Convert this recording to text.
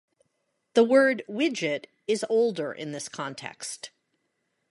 The word "widget" is older in this context.